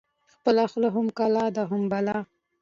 خپله خوله هم کلا ده، هم بلا